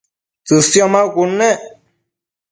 tsësio maucud nec